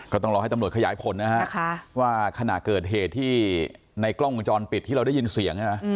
ต้องรอให้ตำรวจขยายผลนะฮะว่าขณะเกิดเหตุที่ในกล้องวงจรปิดที่เราได้ยินเสียง